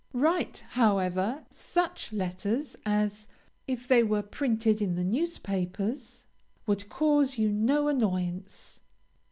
Write, however, such letters as, if they were printed in the newspapers, would cause you no annoyance.